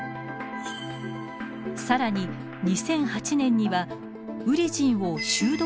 更に２００８年にはウリジンをシュード